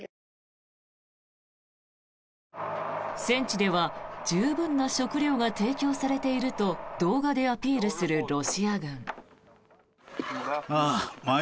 戦地では十分な食料が提供されていると動画でアピールするロシア軍。